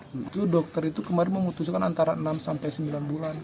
itu dokter itu kemarin memutuskan antara enam sampai sembilan bulan